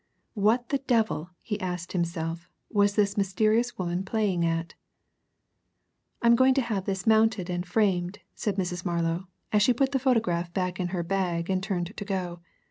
What the devil, he asked himself, was this mysterious woman playing at? "I'm going to have this mounted and framed," said Mrs. Marlow, as she put the photograph back in her bag and turned to go.